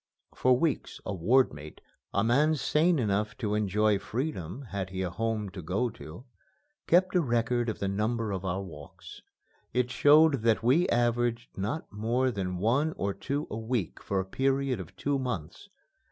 For weeks a ward mate a man sane enough to enjoy freedom, had he had a home to go to kept a record of the number of our walks. It showed that we averaged not more than one or two a week for a period of two months.